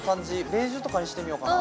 ベージュとかにしてみようかな